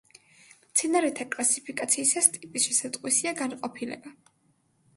მცენარეთა კლასიფიკაციისას ტიპის შესატყვისია განყოფილება.